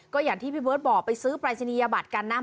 ก็อย่างที่พี่เบิร์ตบอกไปซื้อปรายศนียบัตรกันนะ